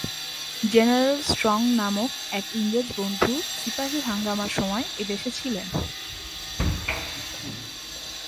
General Strong নামক এক ইংরেজ বন্ধু সিপাহী-হাঙ্গামার সময় এদেশে ছিলেন।